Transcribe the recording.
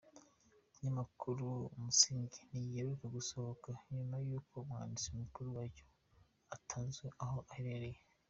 Ikinyamakuru Umusingi ntigiheruka gusohoka nyuma y’aho Umwanditsi mukuru wacyo atazwi aho aherereye.